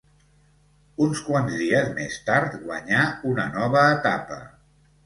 Uns quants dies més tard guanyà una nova etapa.